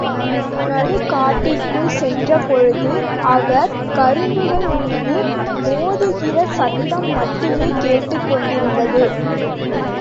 நடுக் காட்டிற்குள் சென்றபொழுது, அவர் கரும்புகள் மீது மோதுகிற சத்தம் மட்டுமே கேட்டுக் கொண்டிருந்தது.